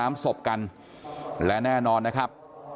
น้ำศพกันและแน่นอนนะครับ